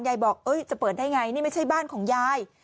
ยายบอกจะเปิดได้ไงนี่ไม่ใช่บ้านของยาย